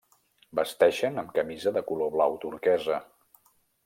Vesteixen amb camisa de color blau turquesa.